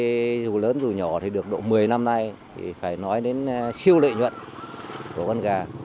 con gà đông tảo này thì chúng tôi chân nuôi dù lớn dù nhỏ thì được độ một mươi năm nay thì phải nói đến siêu lợi nhuận của con gà